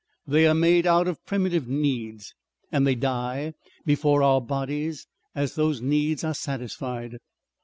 They are made out of primitive needs and they die before our bodies as those needs are satisfied.